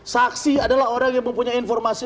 saksi adalah orang yang mempunyai informasi